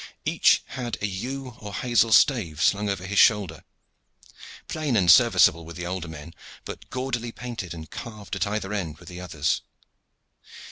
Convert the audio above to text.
Each had a yew or hazel stave slung over his shoulder, plain and serviceable with the older men, but gaudily painted and carved at either end with the others.